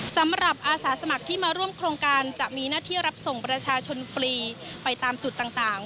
สำหรับอาสาสมัครที่มาร่วมโครงการจะมีหน้าที่รับส่งประชาชนฟรีไปตามจุดต่าง